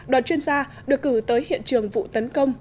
đoàn chuyên gia được cử tới hiện trường vụ tấn công